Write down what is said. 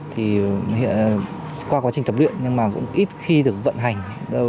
thì qua quá trình tập luyện nhưng mà cũng ít khi được vận hành